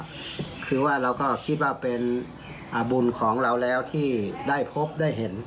ก็คือว่าเราก็คิดว่าเป็นบุญของเราแล้วที่ได้พบได้เห็น